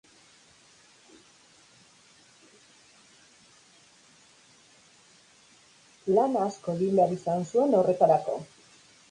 Lan asko egin behar izan zuen horretarako.